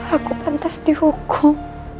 aku pantas dihukum